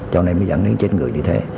cho nên mới dẫn đến chết người như thế